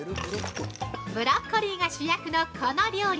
◆ブロッコリーが主役のこの料理。